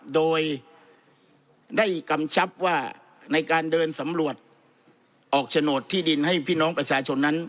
โดยได้กำชับว่าในการเดินสำรวจออกโฉนดที่ดินให้พี่น้องประชาชนนั้น